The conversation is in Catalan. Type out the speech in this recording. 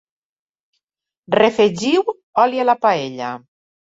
Refegiu oli a la paella.